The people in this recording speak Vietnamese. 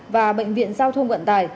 và bệnh viện giao thuông vận tài